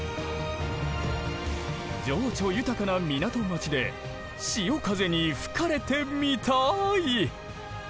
情緒豊かな港町で潮風に吹かれてみたい。